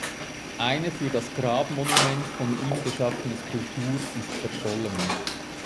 Eine für das Grabmonument von ihm geschaffene Skulptur ist verschollen.